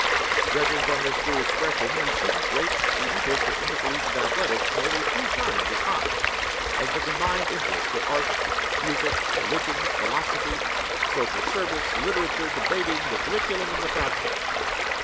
Judging from this free expression, the students rate the interests of intercollegiate athletics nearly three times as high as the combined interests of art, music, religion, philosophy, social service, literature, debating, the curriculum, and the faculty.